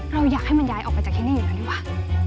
เราอยากให้มันย้ายออกไปจากที่นี่อย่างนั้นหรือเปล่า